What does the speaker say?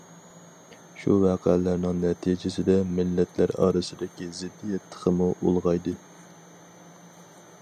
شۇ ۋەقەلەرنىڭ نەتىجىسىدە مىللەتلەر ئارىسىدىكى زىددىيەت تېخىمۇ ئۇلغايدى.